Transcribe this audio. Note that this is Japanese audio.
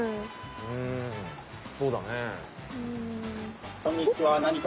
うんそうだね。